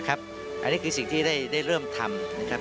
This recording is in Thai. อันนี้คือสิ่งที่ได้เริ่มทำ